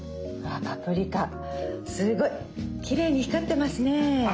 「パプリカすごいきれいに光ってますね」。